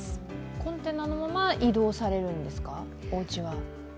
コンテナのまま移動されるんですか、おうちは。